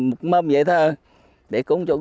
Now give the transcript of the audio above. một mâm vậy thôi để cúng cho